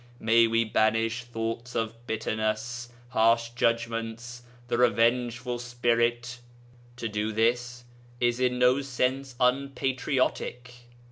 May we banish thoughts of bitterness, harsh judgments, the revengeful spirit. To do this is in no sense unpatriotic.